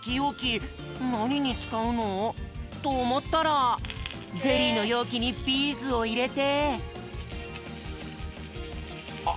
なににつかうの？とおもったらゼリーのようきにビーズをいれて。